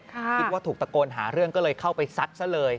คิดว่าถูกตะโกนหาเรื่องก็เลยเข้าไปซัดซะเลย